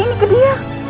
kamu sekarang cepetan yuk